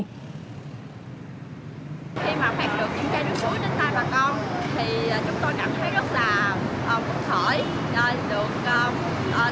khi mà phát được những chai nước suối đến tay bà con